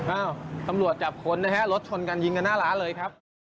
อ้าวตำรวจจับคนนะฮะรถชนกันยิงกันหน้าร้านเลยครับ